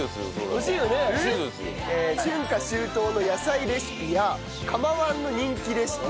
春夏秋冬の野菜レシピや釜−１の人気レシピ